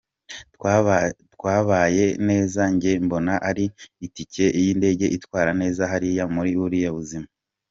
Twabayeho neza njye mbona ari itike y’indege idutwara neza hariya muri buriya buzima.